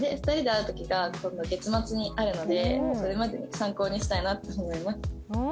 ２人で会う時が今度月末にあるのでそれまでに参考にしたいなって思います。